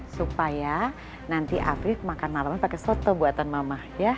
supaya nanti afif makan malam pakai soto buatan mama